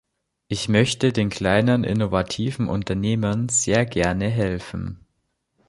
Ich möchte den kleinen, innovativen Unternehmen sehr gerne helfen.